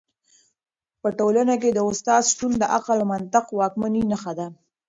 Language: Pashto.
په ټولنه کي د استاد شتون د عقل او منطق د واکمنۍ نښه ده.